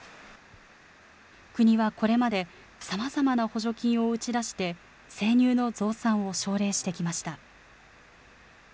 国はこれまで、さまざまな補助金を打ち出して、生乳の増産を奨励してきました。